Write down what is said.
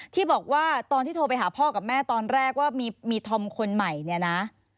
ที่บอกว่าตอนที่โทรไปหาพ่อกับแม่ตอนแรกว่ามีธอมคนใหม่เนี่ยนะ